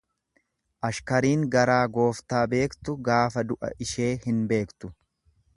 Ashkariin garaa gooftaa beektu gaafa du'a ishee hin beektu.